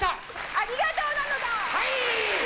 ありがとうなのだ。